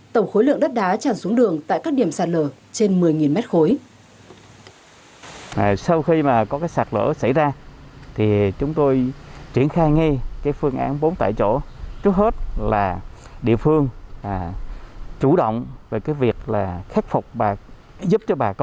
tổng khối lượng đất đá tràn xuống đường tại các điểm sạt lở trên một mươi mét khối